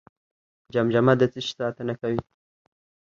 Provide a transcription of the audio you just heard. جمجمه د څه شي ساتنه کوي؟